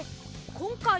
こんかい